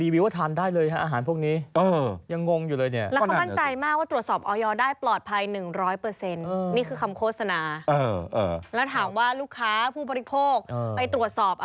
ฝ่ายลูกค้าผู้ปฏิโภคไปตรวจสอบ